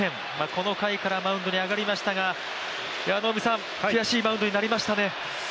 この回からマウンドに上がりましたが悔しいマウンドになりましたね。